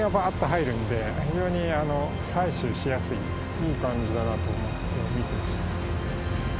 いい感じだなと思って見てました。